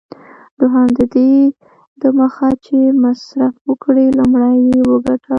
دوهم: ددې دمخه چي مصرف وکړې، لومړی یې وګټه.